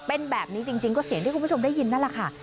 เป็นแบบนี้จริงก็เสียงที่คุณผู้ชมได้ยินนั่นแหละค่ะ